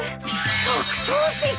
特等席！？